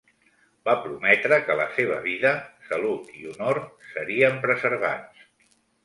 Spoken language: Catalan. Va prometre que la seva vida, salut i honor serien preservats.